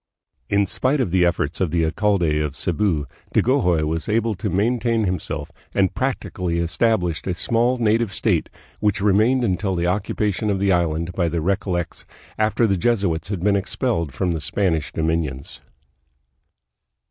In spite of the efforts of the alcalde of Cebu, Dagohoy was able to maintain him self, and practically established a small native state, which remained until the occupation of the island by the Recol lects, after the Jesuits had been expelled from the Span ish dominions.